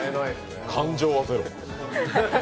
感情はゼロ。